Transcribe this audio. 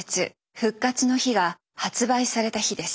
「復活の日」が発売された日です。